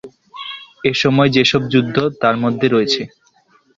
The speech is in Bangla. এসময় যেসব যুদ্ধ তার মধ্যে রয়েছে